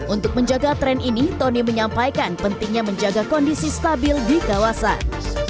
untuk menjaga tren ini tony menyampaikan pentingnya menjaga kondisi stabil di kawasan